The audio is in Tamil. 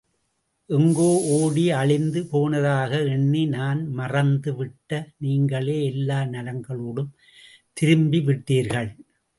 எங்கோ ஓடி அழிந்து போனதாக எண்ணி நான் மறந்துவிட்ட நீங்களே, எல்லா நலங்களோடும் திரும்பி விட்டீர்கள்.